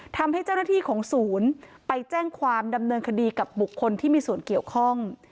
ทำให้เจ้าหน้าที่ของศูนย์ไปแจ้งความดำเนินคดีกับบุคคลที่มีส่วนเกี่ยวข้อง